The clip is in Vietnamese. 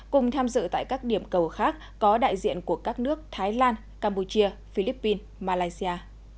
cùng tham dự tại các điểm cầu khác có đại diện của các nước thái lan campuchia philippines malaysia